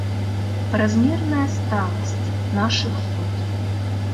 Празмерная сталасць нашых год!